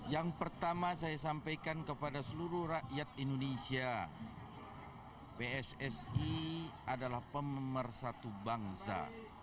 yang pertama saya sampaikan kepada seluruh rakyat indonesia pssi adalah pemersatu bangsa